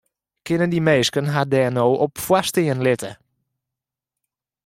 Kinne dy minsken har dêr no op foarstean litte?